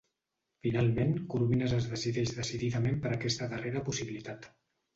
Finalment, Coromines es decideix decididament per aquesta darrera possibilitat.